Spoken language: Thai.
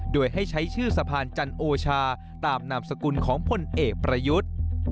โดยให้ใช้ชื่อสะพานจันโอชาตามนามสกุลของพลเอกประยุทธ์